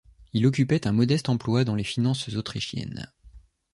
Il occupait un modeste emploi dans les finances autrichiennes.